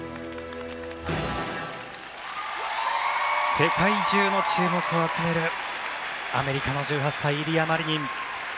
世界中の注目を集めるアメリカの１８歳イリア・マリニン。